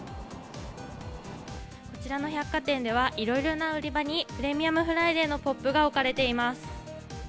こちらの百貨店では、いろいろな売り場にプレミアムフライデーのポップが置かれています。